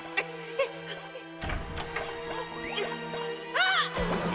あっ！